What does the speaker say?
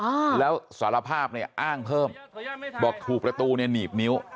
อ่าแล้วสารภาพเนี่ยอ้างเพิ่มบอกถูกประตูเนี่ยหนีบนิ้ว